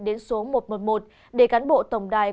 đến số một trăm một mươi một để cán bộ tổng đài